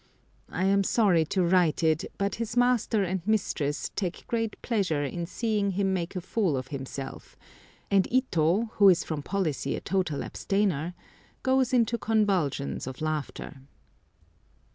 I am sorry to write it, but his master and mistress take great pleasure in seeing him make a fool of himself, and Ito, who is from policy a total abstainer, goes into convulsions of laughter.